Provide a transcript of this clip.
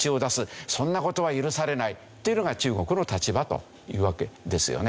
そんな事は許されないっていうのが中国の立場というわけですよね。